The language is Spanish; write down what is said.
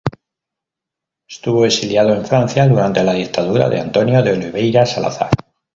Estuvo exiliado en Francia durante la dictadura de António de Oliveira Salazar.